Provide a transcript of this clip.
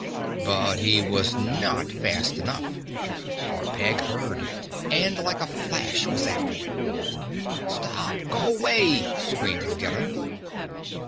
But he was not fast enough, for Peg heard and like a flash was after him. "Stop! Go away!" screamed Ruggedo.